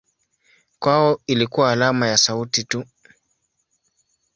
Kwao ilikuwa alama ya sauti tu.